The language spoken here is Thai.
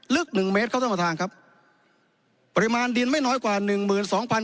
หนึ่งเมตรครับท่านประธานครับปริมาณดินไม่น้อยกว่าหนึ่งหมื่นสองพัน